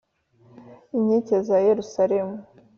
inkike za yerusalemu